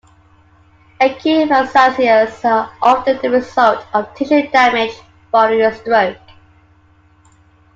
Acute aphasias are often the result of tissue damage following a stroke.